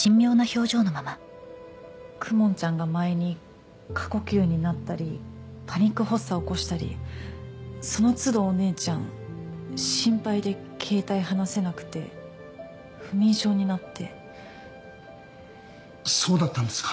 公文ちゃんが前に過呼吸になったりパニック発作起こしたりそのつどお姉ちゃん心配で携帯離せなくて不眠症になってそうだったんですか？